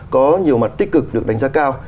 có nhiều mặt tích cực được đánh giá cao